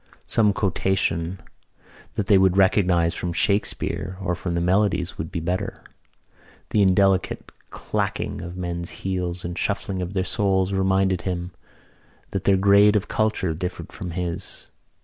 Some quotation that they would recognise from Shakespeare or from the Melodies would be better. The indelicate clacking of the men's heels and the shuffling of their soles reminded him that their grade of culture differed from his.